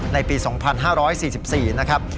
ในปี๒๕๔๔นะครับ